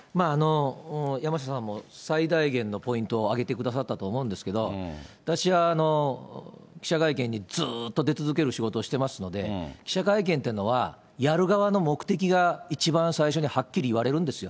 山下さんも最大限のポイントを挙げてくださったと思うんですけれども、私は記者会見にずっとで続ける仕事をしていますので、記者会見っていうのは、やる側の目的が一番最初にはっきり言われるですよ。